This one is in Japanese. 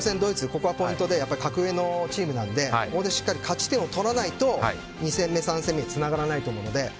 ここはポイントで格上のチームなのでここでしっかり勝ち点を取らないと２戦目、３戦目につながらないと思うので。